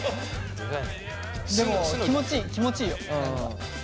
でも気持ちいい気持ちいいよ何か。